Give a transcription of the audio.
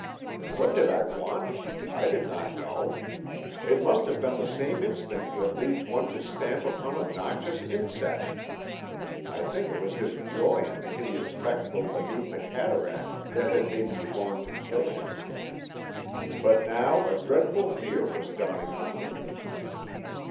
What did I want? I did not know. It must have been the same instinct that leads one to stamp upon a noxious insect. I think it was his joy in the hideous spectacle beneath the cataract that had made me long to kill him. But now a dreadful fear was dawning on me.